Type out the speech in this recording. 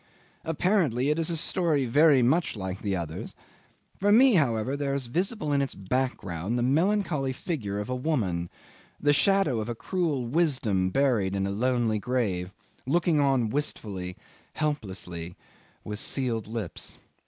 Apparently it is a story very much like the others: for me, however, there is visible in its background the melancholy figure of a woman, the shadow of a cruel wisdom buried in a lonely grave, looking on wistfully, helplessly, with sealed lips.